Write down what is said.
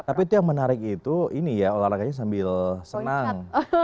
tapi itu yang menarik itu olahraganya sambil senang